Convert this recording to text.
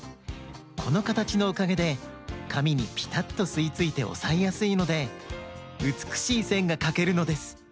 このかたちのおかげでかみにピタッとすいついておさえやすいのでうつくしいせんがかけるのです。